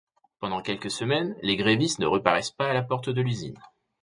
Pendant quelques semaines, les grévistes ne reparaissent pas à la porte de l'usine.